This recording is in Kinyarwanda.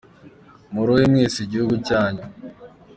Muruhe mwese igihugu cyanyu